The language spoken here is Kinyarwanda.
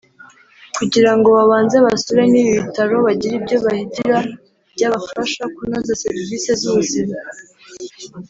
kugira ngo babanze basure n’ibi bitaro bagire ibyo bahigira byabafasha kunoza serivisi z’ubuzima